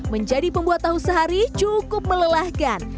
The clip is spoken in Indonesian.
menjadi pembuat tahu sehari cukup melelahkan